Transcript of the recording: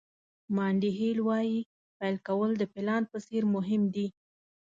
مانډي هیل وایي پیل کول د پلان په څېر مهم دي.